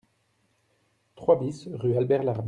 trois BIS rue Albert Larmé